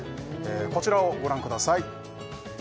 こちらをご覧ください